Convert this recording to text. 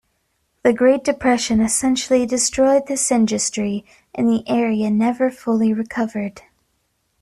The Great Depression essentially destroyed this industry and the area never fully recovered.